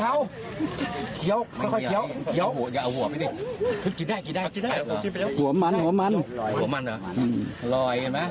อยากเอาผัวเขาไปดิ